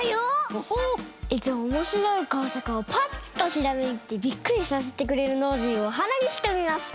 いつもおもしろいこうさくをパッとひらめいてびっくりさせてくれるノージーをおはなにしてみました。